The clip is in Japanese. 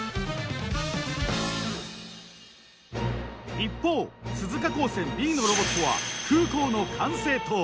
一方鈴鹿高専Ｂのロボットは空港の管制塔。